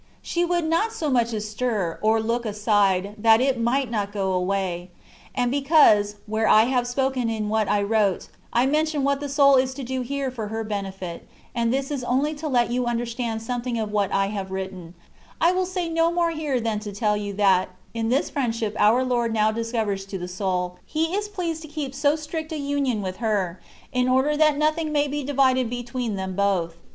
She would not so much as stir, or look aside, that it might not go away. And because, where I have spoken in what I wrote, I mentioned what the soul is to do here for her benefit (and this is only to let you understand something of what I have written), I will say no more here than tell you that, in this friendship our Lord now discovers to the soul, He is pleased to keep so strict an union with her, in order that nothing maybe divided between them both.